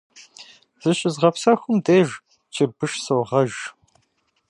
Зыщызгъэпсэхум деж чырбыш согъэж.